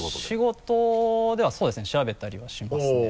仕事ではそうですね調べたりはしますね。